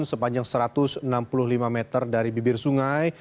sepanjang satu ratus enam puluh lima meter dari bibir sungai